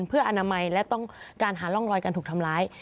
เพื่ออนามัยและต้องการหาร่องรอยการถูกทำร้าย